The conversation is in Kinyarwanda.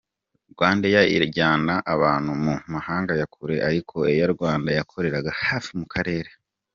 – Rwandair ijyana abantu mu mahanga ya kure ariko Air Rwanda yakoreraga hafi mu karere.